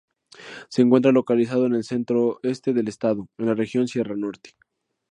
Se encuentra localizado en el centro-este del estado, en la región Sierra Norte.